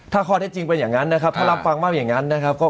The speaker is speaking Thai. ถ้าข้อได้จริงเป็นอย่างนั้นนะครับถ้ารับฟังมากอย่างนั้นนะครับ